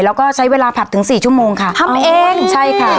แล้วก็ใช้เวลาผัดถึงสี่ชั่วโมงค่ะทำเองใช่ค่ะ